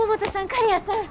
刈谷さん！